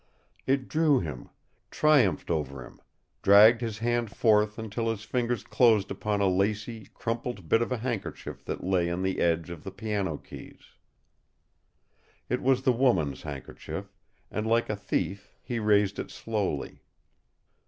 It drew him, triumphed over him, dragged his hand forth until his fingers closed upon a lacy, crumpled bit of a handkerchief that lay on the edge of the piano keys. It was the woman's handkerchief, and like a thief he raised it slowly.